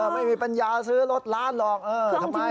ไม่มีปัญญาซื้อรถหลัก